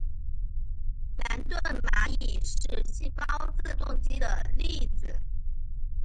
兰顿蚂蚁是细胞自动机的例子。